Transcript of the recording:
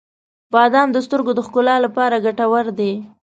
• بادام د سترګو د ښکلا لپاره ګټور دي.